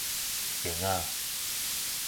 繭仔